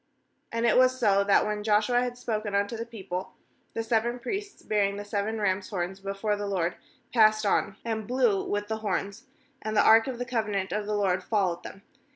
8And it was so, that when Joshua had spoken unto the people, the seveS priests bearing the seven rams* horns before the LORD passed on, and blew with the horns; and the ark of the covenant of the LORD followed them.